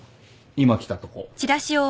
今来たとこ。